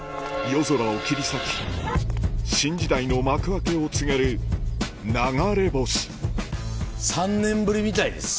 夜空を切り裂き新時代の幕開けを告げる流れ星３年ぶりみたいです。